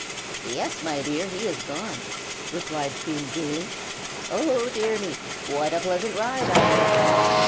"Yes, my dear, he is gone!" replied Coon, gayly. "Oh, dear me! what a pleasant ride I have had!